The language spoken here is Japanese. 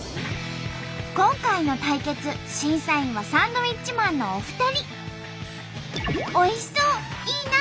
今回の対決審査員はサンドウィッチマンのお二人。